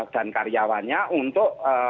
dan karyawannya untuk